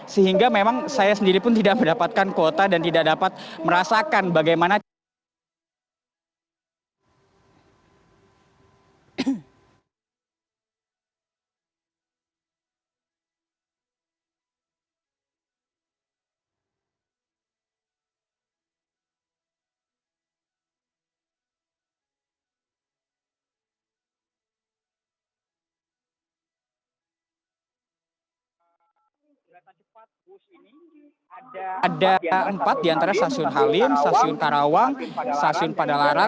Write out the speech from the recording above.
sehingga memang saya sendiri pun tidak mendapatkan kuota dan tidak dapat merasakan bagaimana